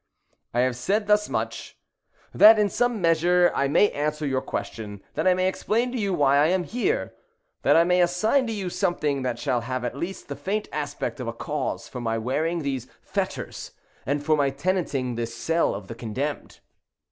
I have said thus much, that in some measure I may answer your question—that I may explain to you why I am here—that I may assign to you something that shall have at least the faint aspect of a cause for my wearing these fetters, and for my tenanting this cell of the condemned.